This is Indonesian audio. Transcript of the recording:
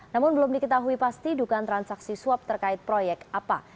namun belum diketahui pasti dugaan transaksi suap terkait proyek apa